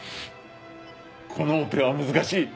このオペは難しい。